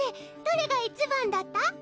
どれが一番だった？